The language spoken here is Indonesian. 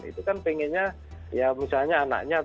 itu kan pengennya ya misalnya anaknya